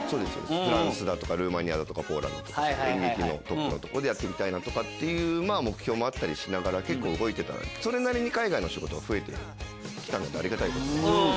フランスだとかルーマニアだとかポーランドとか演劇のトップのとこでやってみたいなとかっていう目標もあったりしながら結構動いてたらそれなりに海外の仕事が増えて来たのでありがたいです。